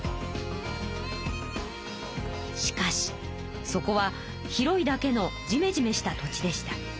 しかしそこは広いだけのじめじめした土地でした。